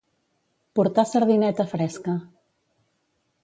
Portar sardineta fresca.